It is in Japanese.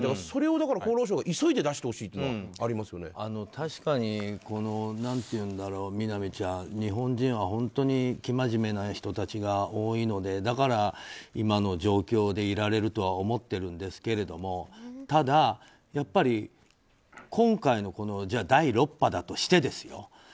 それを厚労省が急いで出してほしいというのが確かに、みなみちゃん日本人は本当に生真面目な人たちが多いのでだから今の状況でいられるとは思っているんですけれどもただ、やっぱり今回の第６波だとしてですよ